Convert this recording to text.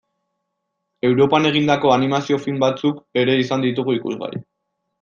Europan egindako animazio film batzuk ere izan ditugu ikusgai.